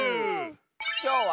きょうは。